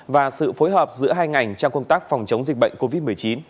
và sự phối hợp giữa hai ngành trong công tác phòng chống dịch bệnh covid một mươi chín